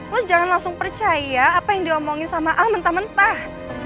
lo jangan langsung percaya apa yang diomongin sama a mentah mentah